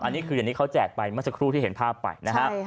อันนี้คืออย่างที่เขาแจกไปเมื่อสักครู่ที่เห็นภาพไปนะฮะ